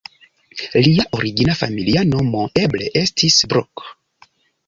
Lia origina familia nomo eble estis "Bruck"?